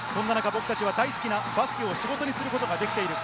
そんな中、僕たちは大好きなバスケを仕事にすることができている。